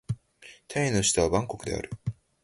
タイの首都はバンコクである